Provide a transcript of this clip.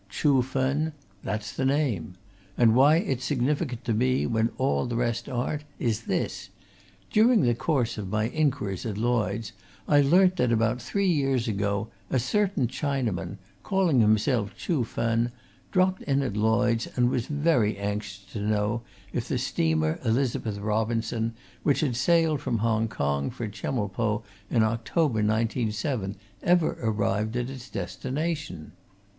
Chuh Fen that's the name. And why it's significant to me, when all the rest aren't, is this during the course of my inquiries at Lloyds, I learnt that about three years ago a certain Chinaman, calling himself Chuh Fen, dropped in at Lloyds and was very anxious to know if the steamer Elizabeth Robinson, which sailed from Hong Kong for Chemulpo in October, 1907, ever arrived at its destination?